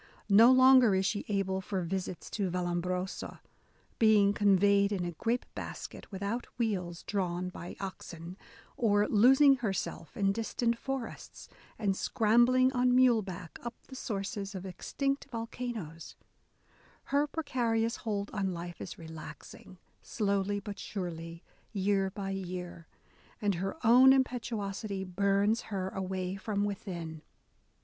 No longer is she able for visits to Vallombrosa, being conveyed in a grape basket without wheels drawn by oxen, or "losing herself in distant forests, and scrambling on mule back up the sources of extinct volcanoes," Her precarious A DAY WITH E. B. BROWNING hold on life is relaxing, slowly but surely, year by year : and her own impetuosity burns her away from within.